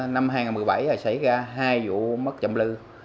năm hai nghìn một mươi bảy xảy ra hai vụ mất trộm lư